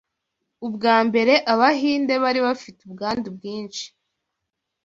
Ubwa mbere, Abahinde bari bafite ubwandu bwinshi.